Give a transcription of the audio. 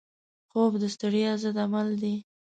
خوب د ستړیا ضد عمل دی